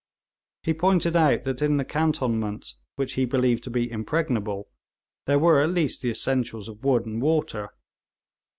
He pointed out that in the cantonments, which he believed to be impregnable, there were at least the essentials of wood and water.